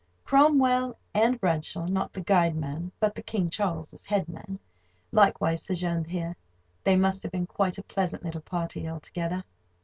Cromwell and Bradshaw (not the guide man, but the King Charles's head man) likewise sojourned here. They must have been quite a pleasant little party, altogether.